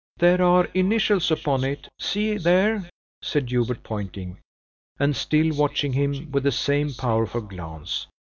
"There are initials upon it see there!" said Hubert, pointing, and still watching him with the same powerful glance.